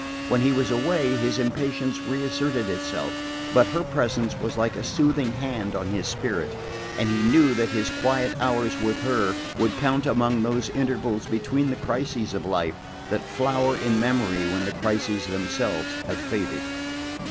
When he was away his impatience reasserted itself; but her presence was like a soothing hand on his spirit, and he knew that his quiet hours with her would count among those intervals between the crises of life that flower in memory when the crises themselves have faded.